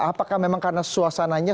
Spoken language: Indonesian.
apakah memang karena suasananya